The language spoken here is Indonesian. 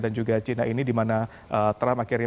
dan juga china ini di mana trump akhirnya